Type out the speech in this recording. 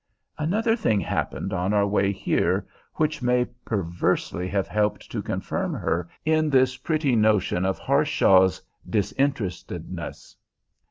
Another thing happened on our way here which may perversely have helped to confirm her in this pretty notion of Harshaw's disinterestedness.